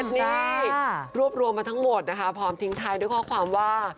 นี่รวบรวมมาทั้งหมดนะคะพร้อมทิ้งท้ายด้วยข้อความว่า